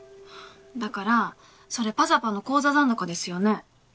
だからそれ「ｐａｚａｐａ」の口座残高ですよね。